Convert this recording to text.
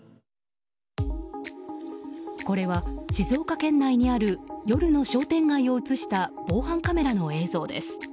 これは静岡県内にある夜の商店街を映した防犯カメラの映像です。